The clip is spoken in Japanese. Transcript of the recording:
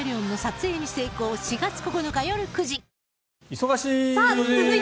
忙しい！